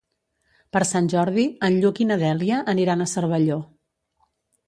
Per Sant Jordi en Lluc i na Dèlia aniran a Cervelló.